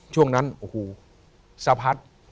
ช่วงนั้นโอ้โหสะพัด